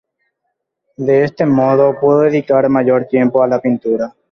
De este modo pudo dedicar mayor tiempo a la pintura.